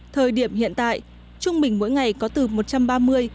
thời điểm hiện tại trung bình mỗi ngày có từ một trăm ba mươi đô la mỹ